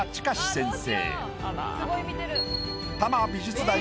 先生。